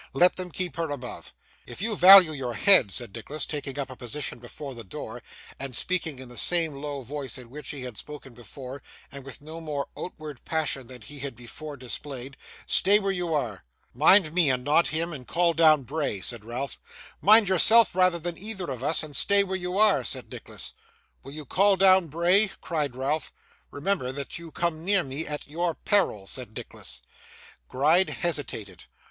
Let them keep her above.' 'If you value your head,' said Nicholas, taking up a position before the door, and speaking in the same low voice in which he had spoken before, and with no more outward passion than he had before displayed; 'stay where you are!' 'Mind me, and not him, and call down Bray,' said Ralph. 'Mind yourself rather than either of us, and stay where you are!' said Nicholas. 'Will you call down Bray?' cried Ralph. 'Remember that you come near me at your peril,' said Nicholas. Gride hesitated.